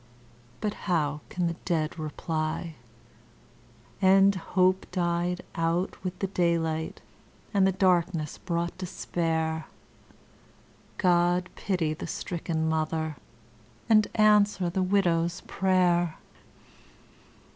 But how can the dead reply; And hope died out with the daylight, and the darkness brought despair, God pity the stricken mother, and answer the widow's prayer!